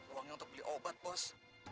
uangnya untuk beli obat bos